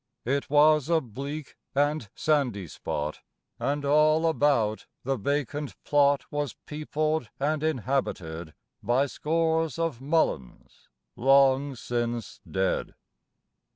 It was a bleak and sandy spot, And, all about, the vacant plot Was peopled and inhabited By scores of mulleins long since dead.